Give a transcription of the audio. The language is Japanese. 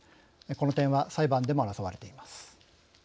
この点は裁判でも争われています。